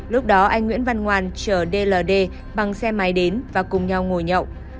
lúc đó anh nguyễn văn ngoan chở dld bằng xe máy đến và cùng nhau ngồi nhậu